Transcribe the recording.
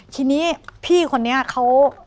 ทีนี้พี่คนนี้เขา